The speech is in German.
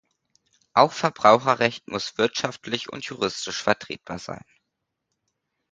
Auch Verbraucherrecht muss wirtschaftlich und juristisch vertretbar sein.